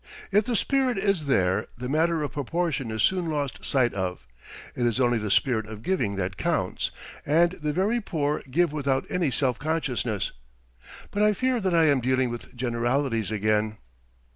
If the spirit is there, the matter of proportion is soon lost sight of. It is only the spirit of giving that counts, and the very poor give without any self consciousness. But I fear that I am dealing with generalities again.